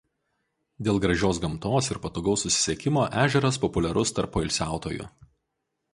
Dėl gražios gamtos ir patogaus susisiekimo ežeras populiarus tarp poilsiautojų.